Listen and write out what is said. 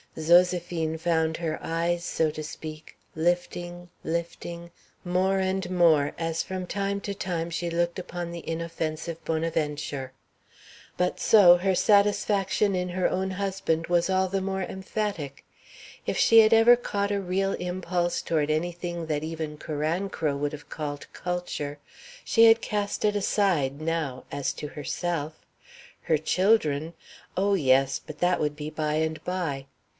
Zoséphine found her eyes, so to speak, lifting, lifting, more and more as from time to time she looked upon the inoffensive Bonaventure. But so her satisfaction in her own husband was all the more emphatic. If she had ever caught a real impulse toward any thing that even Carancro would have called culture, she had cast it aside now as to herself; her children oh! yes; but that would be by and by.